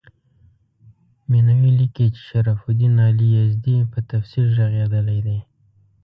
مینوي لیکي چې شرف الدین علي یزدي په تفصیل ږغېدلی دی.